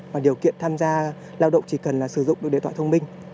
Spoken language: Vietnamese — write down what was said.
và điều kiện tham gia lao động chỉ cần sử dụng được điện thoại thông minh